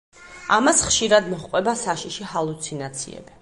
ამას ხშირად მოჰყვება საშიში ჰალუცინაციები.